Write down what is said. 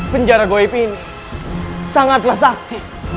penjara goib ini sangatlah sakti